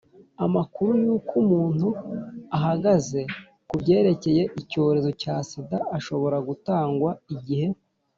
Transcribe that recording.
amakuru y’uko umuntu ahagaze ku byerekeye icyorezo cya sida ashobora gutangwa igihe: